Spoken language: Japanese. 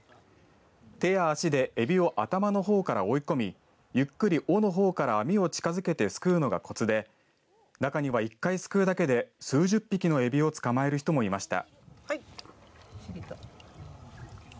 手や足でエビを頭のほうから追い込みゆっくり尾のほうから網を近づけて、すくうのがコツで中には１回すくうだけで数十匹のエビを捕まえる人もいました。